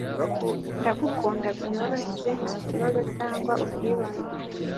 Ndagukunda byoroshye, nta kibazo cyangwa ubwibone: